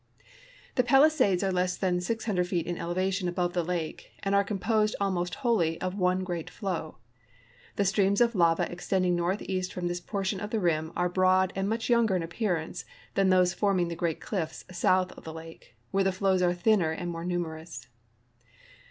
The Palisades are less than 600 feet in elevation above the lake, and are composed almost wholly of one great flow. The streams of lava extending northeast from this portion of the rim are broad and much younger in appearance than those forming the great cliffs south of the lake, where the flows are thinner and more numerous.